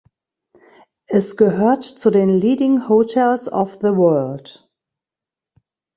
Es gehört zu den Leading Hotels of the World.